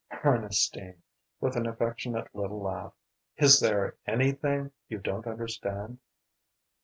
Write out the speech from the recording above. "Ernestine," with an affectionate little laugh "is there anything you don't understand?"